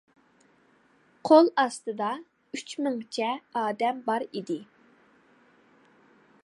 قول ئاستىدا ئۈچ مىڭچە ئادەم بار ئىدى.